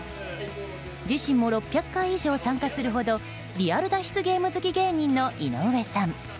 自身も６００回以上参加するほどリアル脱出ゲーム好き芸人の井上さん。